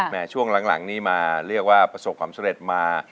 ช่วงหลังนี้มาเรียกว่าประสบความสำเร็จมา